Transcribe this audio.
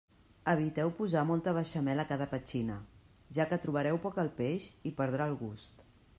Eviteu posar molta beixamel a cada petxina, ja que trobareu poc el peix i perdrà el gust.